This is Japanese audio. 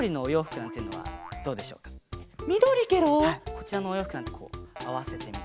こちらのおようふくなんてこうあわせてみて。